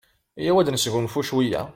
Iyyaw ad nesgunfu cwiya.